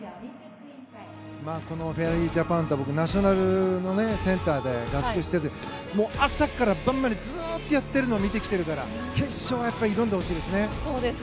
このフェアリージャパンはナショナルセンターで合宿してて、朝から晩までずっとやってるのを見てきてるから決勝はやっぱり、挑んでほしいですね。